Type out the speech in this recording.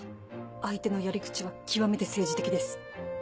相手のやり口は極めて政治的です。